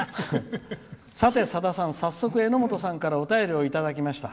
さて、さださん早速えのもとさんからお便りをいただきました」。